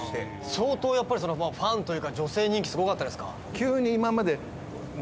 相当やっぱりファンというか女性人気すごかったですか？